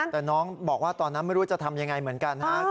ตอนนั้นเมื่อดูจะทำอย่างไรเหมือนกัน